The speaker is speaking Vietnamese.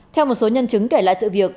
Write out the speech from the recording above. theo một số nhân chứng kể lại sự việc